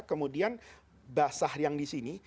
kemudian basah yang disini